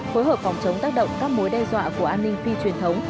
phối hợp phòng chống tác động các mối đe dọa của an ninh phi truyền thống